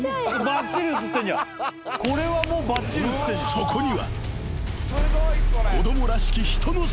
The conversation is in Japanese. ［そこには］